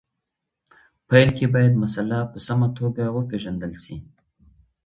پیل کي باید مسله په سمه توګه وپېژندل سي.